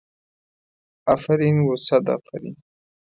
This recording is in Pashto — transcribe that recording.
افرین و صد افرین.